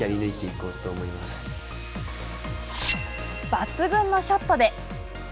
抜群のショットで！